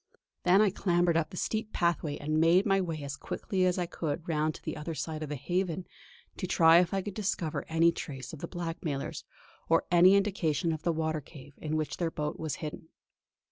Then I clambered up the steep pathway and made my way as quickly as I could round to the other side of the Haven, to try if I could discover any trace of the blackmailers, or any indication of the water cave in which their boat was hidden.